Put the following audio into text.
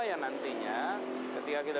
yang nantinya ketika kita